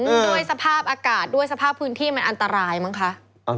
ด้วยสภาพอากาศด้วยสภาพพื้นที่มันอันตรายมั้งคะ